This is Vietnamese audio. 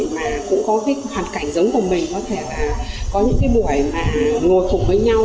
mà cũng có cái hoàn cảnh giống của mình có thể là có những cái buổi mà ngồi cùng với nhau